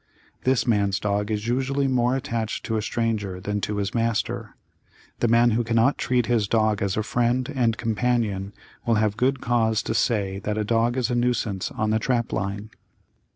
This man's dog is usually more attached to a stranger than to his master. The man who cannot treat his dog as a friend and companion will have good cause to say that a dog is a nuisance on the trap line.